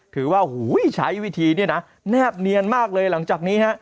ถือว่าใช้วิธีเนี่ยนะแนบเนียนมากเลยหลังจากนี้ฮะ